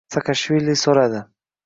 Saakashvili so'radi: